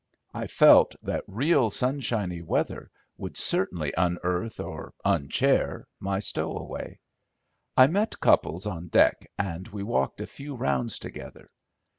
I felt that real sunshiny weather would certainly unearth, or unchair, my stowaway. I met Cupples on deck, and we walked a few rounds together.